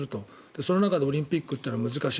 その中でオリンピックは難しい。